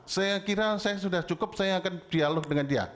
saya kira saya sudah cukup saya akan dialog dengan dia